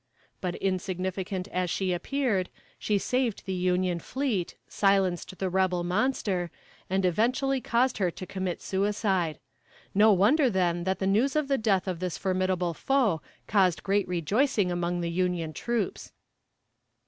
But insignificant as she appeared, she saved the Union fleet, silenced the rebel monster, and eventually caused her to commit suicide. No wonder then that the news of the death of this formidable foe caused great rejoicing among the Union troops.